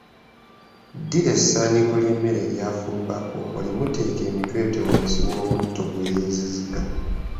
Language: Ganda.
Ddira essaaniiko ly’emmere eryafumbako olimuteeke emitweetwe wansi w’omutto gwe yeezizika.